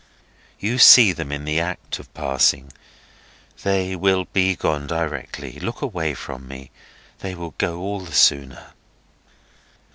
You see them in the act of passing; they will be gone directly. Look away from me. They will go all the sooner."